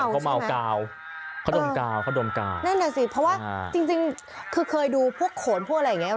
เขาดมกาวเขาดมกาวนั่นแหละสิเพราะว่าจริงคือเคยดูพวกขนพวกอะไรอย่างงี้